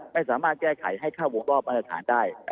และไม่โดนแก้ไขให้เข้าหลวงลอบมาตรฐานได้